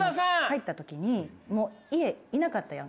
帰った時に家いなかったやんか。